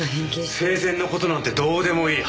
生前の事なんてどうでもいい。